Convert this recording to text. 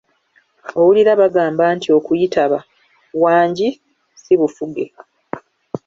Owulira bagamba nti okuyitaba "wangi" si bufuge.